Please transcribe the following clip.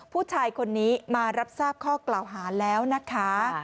ผู้ชายคนนี้มารับทราบข้อกล่าวหาแล้วนะคะ